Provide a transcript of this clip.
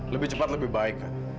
lebih cepat lebih baik